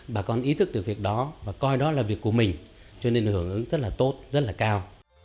bà con ý thức được việc đó và coi đó là việc của mình cho nên hưởng ứng rất là tốt rất là cao